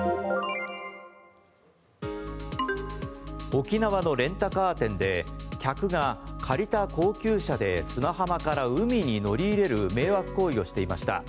沖縄のレンタカー店で客が借りた高級車で砂浜から海に乗り入れる迷惑行為をしていました。